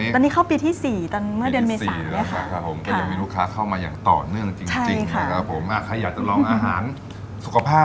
คือสิ่งดีอินยันในความสำเร็จนะ